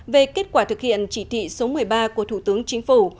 về kết quả thực hiện chỉ thị số một mươi ba của thủ tướng chính phủ